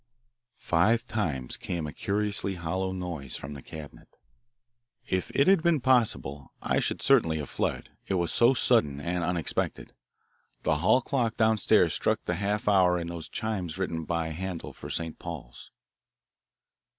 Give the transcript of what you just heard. Rap! rap! rap! rap! rap! Five times came a curiously hollow noise from the cabinet. If it had been possible I should certainly have fled, it was so sudden and unexpected. The hall clock downstairs struck the half hour in those chimes written by Handel for St. Paul's.